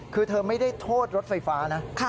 คือเธอไม่ได้โทษรถไฟฟ้านะ